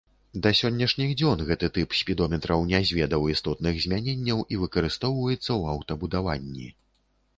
Да сённяшніх дзён гэты тып спідометраў не зведаў істотных змяненняў і выкарыстоўваецца ў аўтабудаванні.